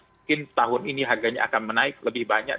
mungkin tahun ini harganya akan menaik lebih banyak